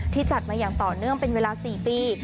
จัดมาอย่างต่อเนื่องเป็นเวลา๔ปี